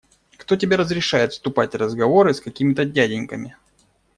Кто тебе разрешает вступать в разговоры с какими-то дяденьками?